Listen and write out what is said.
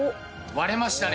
割れましたね。